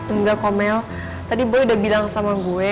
enggak komel tadi gue udah bilang sama gue